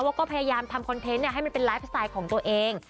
ว่าก็พยายามทำคอนเทนต์ให้มันเป็นไลฟ์สไตล์ของตัวเอง